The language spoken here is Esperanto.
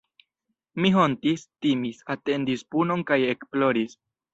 Mi hontis, timis, atendis punon kaj ekploris.